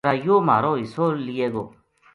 ارا یو ہ مہارو حصو لیے گو